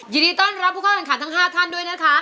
ยินดีต้อนรับผู้เข้าแข่งขันทั้ง๕ท่านด้วยนะคะ